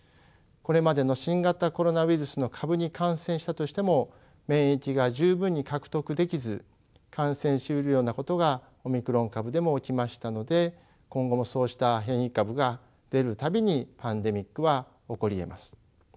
これまでの新型コロナウイルスの株に感染したとしても免疫が十分に獲得できず感染しうるようなことがオミクロン株でも起きましたので今後もそうした変異株が出る度にパンデミックは起こりえます。